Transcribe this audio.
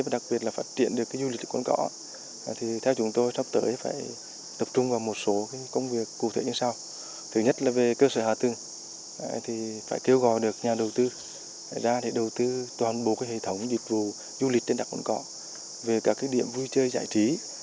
đặc ứng những nhu cầu của khách